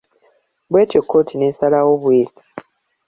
Bwetyo kkooti neesalawo bweti.